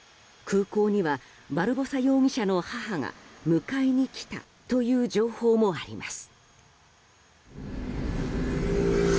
空港にはバルボサ容疑者の母が迎えに来たという情報もあります。